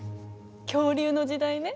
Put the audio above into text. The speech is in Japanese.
恐竜の時代ね。